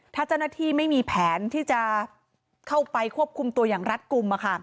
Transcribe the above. ถ้าเจ้าหน้าที่ไม่มีแผนที่จะเข้าไปควบคุมตัวอย่างรัฐกลุ่ม